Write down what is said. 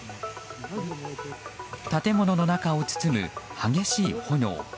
建物の中を包む激しい炎。